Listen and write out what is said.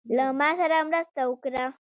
له ماسره مرسته وکړه.